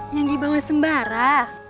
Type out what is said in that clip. yang dibawa sembara